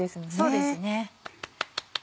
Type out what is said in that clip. そうですね。